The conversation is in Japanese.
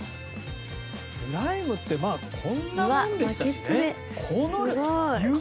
スライムってまあこんなもんでしたよね。